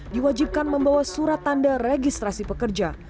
diwajibkan membawa surat tanda registrasi pekerja